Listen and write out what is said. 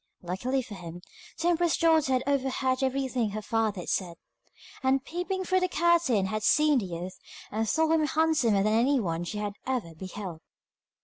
Luckily for him, the emperor's daughter had overheard everything her father had said, and peeping through a curtain had seen the youth, and thought him handsomer than anyone she had ever beheld.